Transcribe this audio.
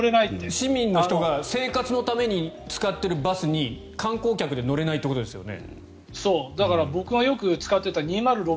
市民の人が生活のために使っているバスに観光客で乗れないということですよね。